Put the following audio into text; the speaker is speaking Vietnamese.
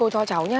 ờ chị lấy cái nào